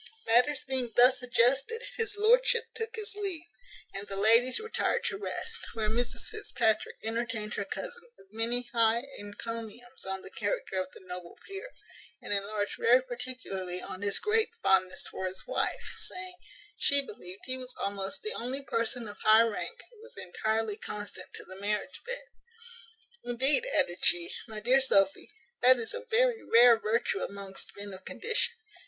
Matters being thus adjusted, his lordship took his leave, and the ladies retired to rest, where Mrs Fitzpatrick entertained her cousin with many high encomiums on the character of the noble peer, and enlarged very particularly on his great fondness for his wife; saying, she believed he was almost the only person of high rank who was entirely constant to the marriage bed. "Indeed," added she, "my dear Sophy, that is a very rare virtue amongst men of condition.